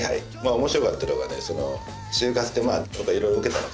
面白かったのはね就活でどっかいろいろ受けたのか？